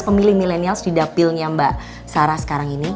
pemilih milenials di dapilnya mbak sarah sekarang ini